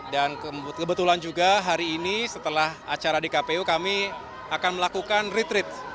dan kebetulan juga hari ini setelah acara di kpu kami akan melakukan retreat